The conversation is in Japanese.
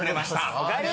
おかえり！